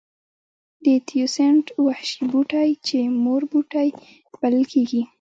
د تیوسینټ وحشي بوټی چې مور بوټی بلل کېږي.